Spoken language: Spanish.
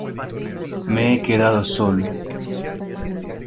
me he quedado solo